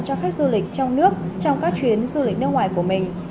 cho khách du lịch trong nước trong các chuyến du lịch nước ngoài của mình